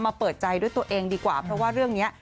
เปิดใจด้วยตัวเองดีกว่าเพราะว่าเรื่องนี้